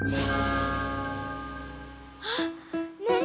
あっねん